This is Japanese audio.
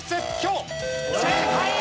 正解！